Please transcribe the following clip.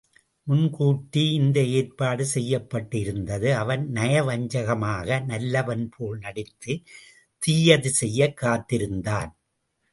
முன்கூட்டி இந்த ஏற்பாடு செய்யப்பட்டு இருந்தது அவன் நயவஞ்சகமாக நல்லவன்போல் நடித்துத் தீயது செய்யக் காத்திருந்தான்.